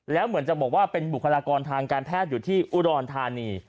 แล้วเหมือนจะบอกว่าเป็นบุคลากรทางการแพทย์อยู่ที่อุดรธานี